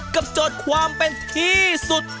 โจทย์ความเป็นที่สุด